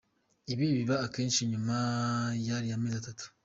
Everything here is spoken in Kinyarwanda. Ibi biba akenshi nyuma y’ariya amezi atatu.